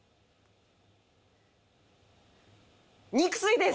肉吸いです。